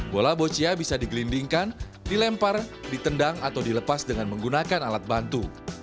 bola boccia bisa digelindingkan dilempar ditendang atau dilepas dengan menggunakan alat bantu